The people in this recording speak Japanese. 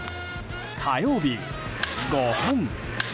火曜日、５本。